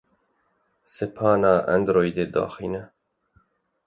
Sepana Androidê daxîne.